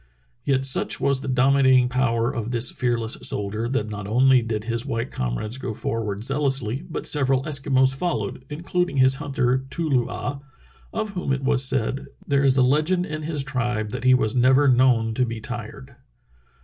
Yet such was the dominating power of this fearless soldier that not only did his white comrades go forward zealously but several Eskimos followed, including his hunter, Too loo ah, of whom it was said: "There is a legend in his tribe that he was never known to be tired."